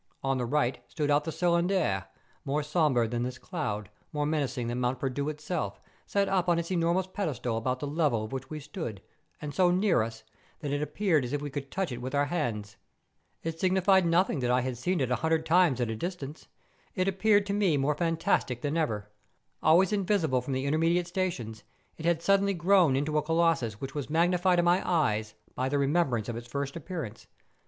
On the right stood out the Cylindre, more sombre than this cloud, more menacing than Mont Perdu itself, set up on its enormous pedestal about the level of which we stood, and so near us, that it appeared as if we could touch it with our hands. It signified nothing that I had seen it a hundred times at a distance ; it appeared to 138 MOUNTAIN ADVENTUKES. me more fantastic than ever. Always invisible from the intermediate stations, it had suddenly grown into a colossus which was magnified in my eyes by the remembrance of its first appearance.